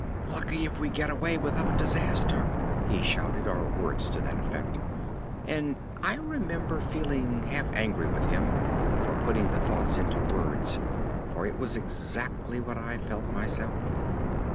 "Lucky if we get away without disaster!" he shouted, or words to that effect; and I remember feeling half angry with him for putting the thought into words, for it was exactly what I felt myself.